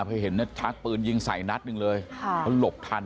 พี่เห็นเน็ตทักตอนก่อนไปเริ่มยืนภูมิหลบทัน